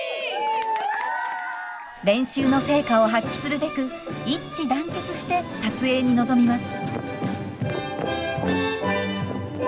練習の成果を発揮するべく一致団結して撮影に臨みます。